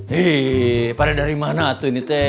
hei para dari mana tuh ini teh